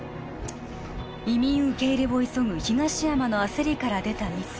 移民受け入れを急ぐ東山の焦りから出たミス